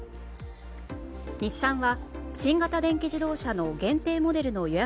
日産は新型電気自動車の限定モデルの予約